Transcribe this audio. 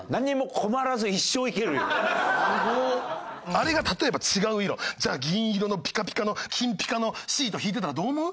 あれが例えば違う色じゃあ銀色のピカピカの金ピカのシート敷いてたらどう思う？